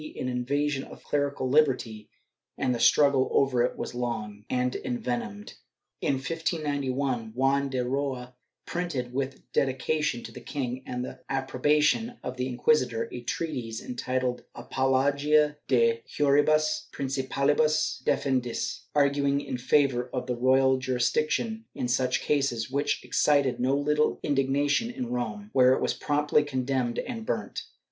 634 CENSORSHIP [Book VIII invasion of clerical liberty, and the struggle over it was long and envenomed. In 1591 Juan de Roa printed, with a dedication to the king and the approbation of an inquisitor, a treatise entitled "Apologia de Juribus principalibus defendendis," arguing in favor of the royal jurisdiction in such cases, which excited no little indig nation in Rome, where it was promptly condemned and burnt.